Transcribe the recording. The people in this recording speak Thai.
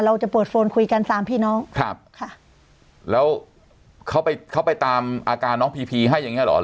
เราจะเปิดโฟนคุยกันสามพี่น้องครับค่ะแล้วเขาไปเขาไปตามอาการน้องพีพีให้อย่างเงี้เหรอ